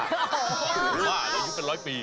หรือว่าอายุเป็นร้อยปี